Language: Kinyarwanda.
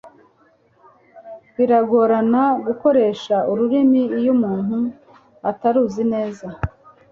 biragorana gukoresha ururimi iyo umuntu ataruzi neza,